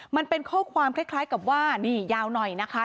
มันเป็นข้อความคล้ายกับว่านี่ยาวหน่อยนะคะ